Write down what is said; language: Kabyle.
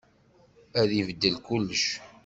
Ad ibeddel kullec.